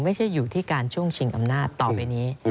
ไม่ใช่อยู่ที่การช่วงชิงอำนาจต่อไปนี้